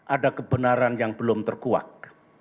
ada kebenaran yang belum terkuak